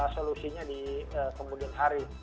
solusinya di kemudian hari